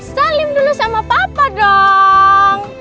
salim dulu sama papa dong